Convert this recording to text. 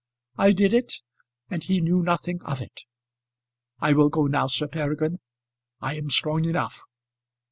"I did it, and he knew nothing of it. I will go now, Sir Peregrine; I am strong enough."